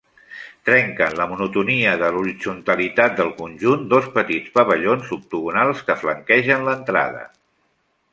Trenquen la monotonia de l'horitzontalitat del conjunt dos petits pavellons octogonals que flanquegen l'entrada.